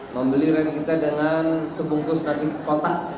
membeli rent kita dengan sebungkus nasi kopak